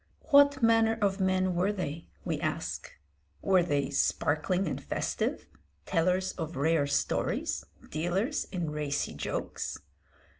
What manner of men were they? we ask. Were they sparkling and festive, tellers of rare stories, dealers in racy jokes?